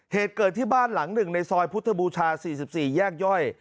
เหตุเกิดที่บ้านหลังหนึ่งในซอยพุทธบูชา๔๔แยกย่อย